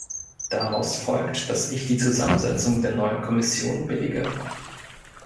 Daraus folgt, dass ich die Zusammensetzung der neuen Kommission billige.